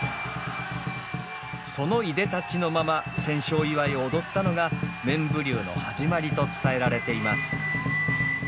そのいでたちのまま戦勝祝いを踊ったのが面浮立の始まりと伝えられています。